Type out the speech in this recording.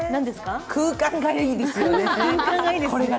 空間がいいですよね。